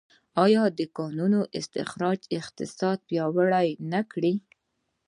آیا د کانونو استخراج اقتصاد پیاوړی نه کړ؟